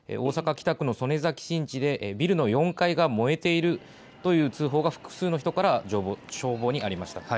曽根崎新地でビルの４階が燃えているという通報が複数の人から消防にありました。